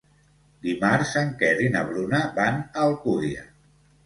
Dimarts en Quer i na Bruna van a Alcúdia.